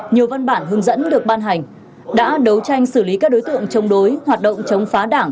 nhiều văn bản hướng dẫn được ban hành đã đấu tranh xử lý các đối tượng chống đối hoạt động chống phá đảng